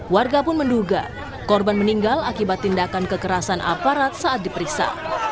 warga pun menduga korban meninggal akibat tindakan kekerasan aparat saat diperiksa